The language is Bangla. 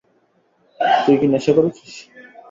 তুই কি নেশা করেছিস?